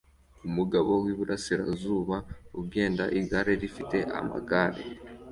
Umugabo wiburasirazuba ugenda -igare rifite amagare